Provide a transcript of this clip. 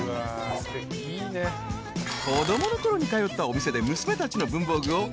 ［子供のころに通ったお店で娘たちの文房具をお買い上げ］